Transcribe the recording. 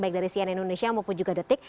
baik dari cnn indonesia maupun juga detik